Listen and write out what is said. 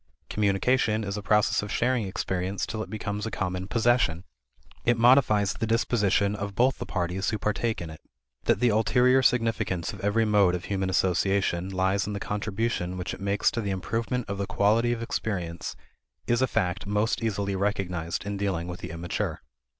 Communication is a process of sharing experience till it becomes a common possession. It modifies the disposition of both the parties who partake in it. That the ulterior significance of every mode of human association lies in the contribution which it makes to the improvement of the quality of experience is a fact most easily recognized in dealing with the immature.